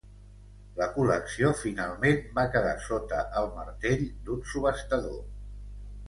La col·lecció finalment va quedar sota el martell d'un subhastador.